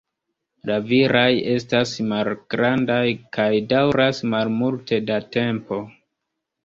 La viraj estas malgrandaj kaj daŭras malmulte da tempo.